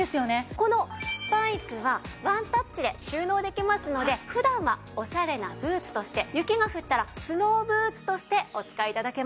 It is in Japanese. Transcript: このスパイクはワンタッチで収納できますので普段はオシャレなブーツとして雪が降ったらスノーブーツとしてお使い頂けます。